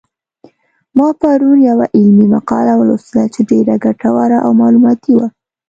ما پرون یوه علمي مقاله ولوستله چې ډېره ګټوره او معلوماتي وه